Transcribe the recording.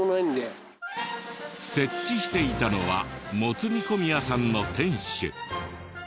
設置していたのはもつ煮込み屋さんの店主。